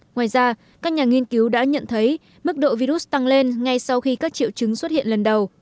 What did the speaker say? ngoài ra các nhà nghiên cứu đã nhận thấy mức độ virus tăng lên ngay sau khi các triệu chứng xuất hiện lần đầu